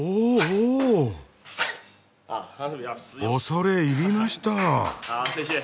恐れ入りました。